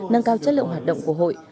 nâng cao chất lượng hoạt động của hội